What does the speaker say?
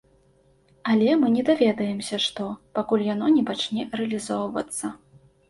Але мы не даведаемся, што, пакуль яно не пачне рэалізоўвацца.